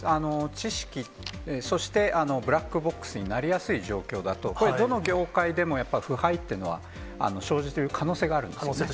知識、そしてブラックボックスになりやすい状況だと、どの業界でもやっぱ腐敗っていうのは生じている可能性があるんですね。